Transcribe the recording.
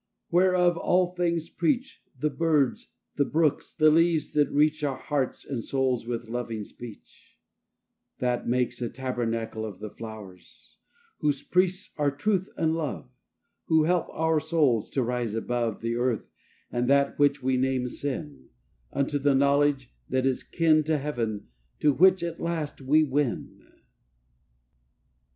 whereof all things preach The birds, the brooks, the leaves that reach Our hearts and souls with loving speech; That makes a tabernacle of The flow'rs; whose priests are Truth and Love, Who help our souls to rise above The Earth and that which we name sin, Unto the knowledge, that is kin To Heaven, to which at last we win.